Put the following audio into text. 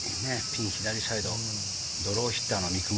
ピン左サイド、ドローヒッターの未来